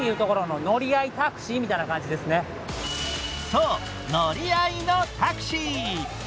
そう、乗り合いのタクシー。